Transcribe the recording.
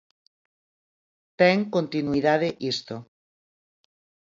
Ten continuidade isto.